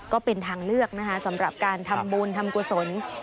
ก็เป็นทางเลือกนะคะสำหรับการทำบุญทำกุศล